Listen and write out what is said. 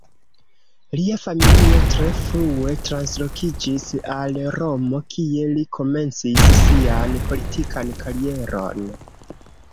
Lia familio tre frue translokiĝis al Romo, kie li komencis sian politikan karieron.